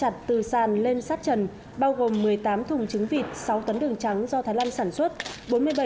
hạt từ sàn lên sát trần bao gồm một mươi tám thùng trứng vịt sáu tấn đường trắng do thái lan sản xuất